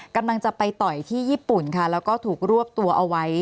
กำลังจะไปต่อยที่ญี่ปุ่นค่ะแล้วก็ถูกรวบตัวเอาไว้